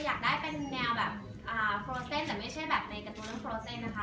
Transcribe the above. วิวอยากได้เป็นแนวแบบโฟโลเซ็นต์แต่ไม่ใช่แบบในการ์โทนเรื่องโฟโลเซ็นต์นะคะ